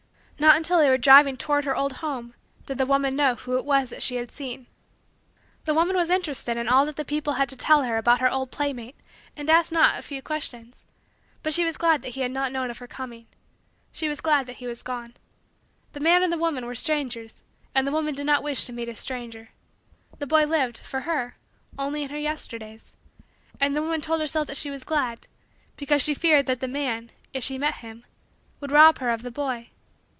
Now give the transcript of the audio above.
Not until they were driving toward her old home did the woman know who it was that she had seen. The woman was interested in all that the people had to tell about her old playmate and asked not a few questions but she was glad that he had not known of her coming. She was glad that he was gone. The man and the woman were strangers and the woman did not wish to meet a stranger. The boy lived, for her, only in her Yesterdays and the woman told herself that she was glad because she feared that the man, if she met him, would rob her of the boy.